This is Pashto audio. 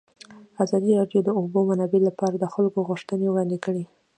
ازادي راډیو د د اوبو منابع لپاره د خلکو غوښتنې وړاندې کړي.